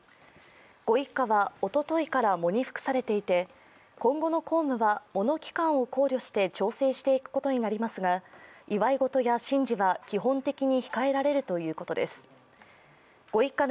ご一家はおとといから喪に服されていて、今後の公務は、喪の期間を考慮して調整していくことになりますが祝い事や神事は基本的に慎まれるということです。